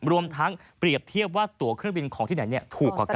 รวมทั้งเปรียบเทียบว่าตัวเครื่องบินของที่ไหนถูกกว่ากัน